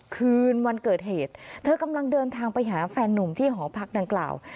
คืนวันเกิดเหตุเธอกำลังเดินทางไปหาแฟนนุ่มที่หอพักดังกล่าว